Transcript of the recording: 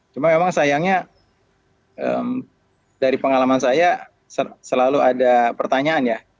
cuma memang sayangnya dari pengalaman saya selalu ada pertanyaan ya